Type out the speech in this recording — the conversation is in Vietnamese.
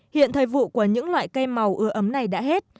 hiện thời vụ của những loại cây màu ưa ấm này đã hết